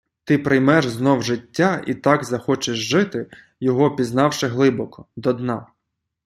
Ти приймеш знов життя і так захочеш жити, його пізнавши глибоко, до дна